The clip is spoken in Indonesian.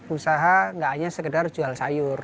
usaha nggak hanya sekedar jual sayur